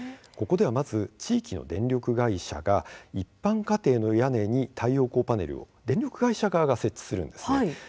ここでは、まず地域の電力会社が一般家庭の屋根に太陽光パネルを電力会社側が設置するんです。